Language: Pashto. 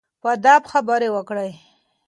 په ادب خبرې وکړئ.